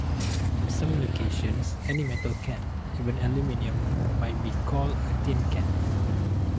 In some locations any metal can, even aluminium, might be called a "tin can".